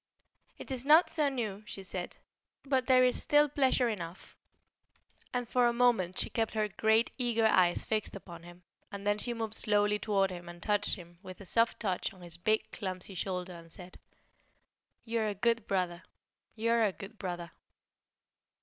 "It is not so new," she said; "but there is still pleasure enough." And for a moment she kept her great eager eyes fixed upon him, and then she moved slowly toward him and touched him with a soft touch on his big clumsy shoulder and said: "You are a good brother! You are a good brother!"